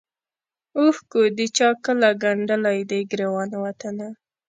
اوښکو د چا کله ګنډلی دی ګرېوان وطنه